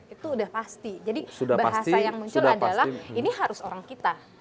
itu udah pasti jadi bahasa yang muncul adalah ini harus orang kita